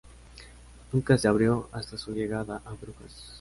Nunca se abrió hasta su llegada a Brujas.